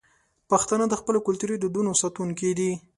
پښتانه د خپلو کلتوري دودونو ساتونکي دي.